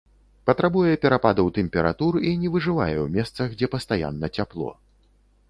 Патрабуе перападаў тэмператур і не выжывае ў месцах, дзе пастаянна цяпло.